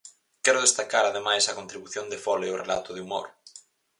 Quero destacar, ademais, a contribución de Fole ao relato de humor.